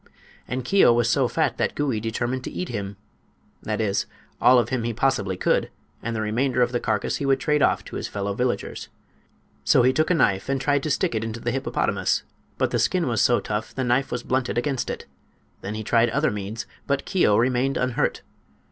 And Keo was so fat that Gouie determined to eat him—that is, all of him he possibly could, and the remainder of the carcass he would trade off to his fellow villagers. So he took a knife and tried to stick it into the hippopotamus, but the skin was so tough the knife was blunted against it. Then he tried other means; but Keo remained unhurt.